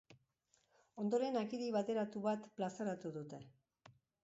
Ondoren agiri bateratu bat plazaratu dute.